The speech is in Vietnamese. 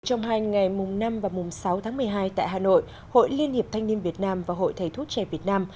trong hai ngày mùng năm và mùng sáu tháng một mươi hai tại hà nội hội liên hiệp thanh niên việt nam và hội thầy thuốc trẻ việt nam